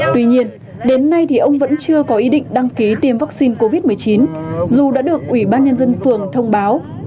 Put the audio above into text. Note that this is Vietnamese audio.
tuy nhiên đến nay thì ông vẫn chưa có ý định đăng ký tiêm vaccine covid một mươi chín dù đã được ủy ban nhân dân phường thông báo